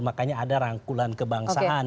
makanya ada rangkulan kebangsaan